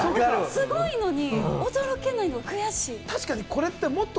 すごいのに驚けないのが悔しい。